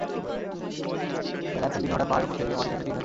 বেলা একটার দিকে হঠাৎ পাহাড়ের ওপর থেকে মাটি ধসে তিনজন চাপা পড়েন।